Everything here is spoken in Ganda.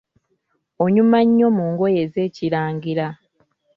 Onyuma nnyo mu ngoye ez’Ekirangira.